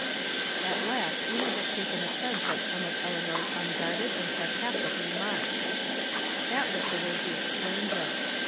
" At last Una has taken offense at some of El eanor's unguarded and carcaotic remarks." That was the way he explained it.